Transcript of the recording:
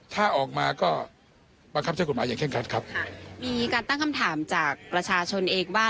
ถ้าออกมาก็บังคับใช้กฎหมายอย่างเร่งคัดครับค่ะมีการตั้งคำถามจากประชาชนเองว่า